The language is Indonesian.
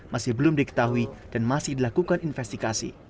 masih belum diketahui dan masih dilakukan investigasi